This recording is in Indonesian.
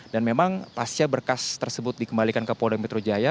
dan memang pasca berkas tersebut dikembalikan ke podang metro jaya